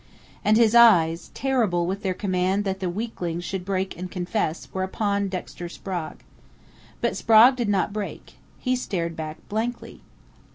And his eyes, terrible with their command that the weakling should break and confess, were upon Dexter Sprague. But Sprague did not break. He stared back blankly....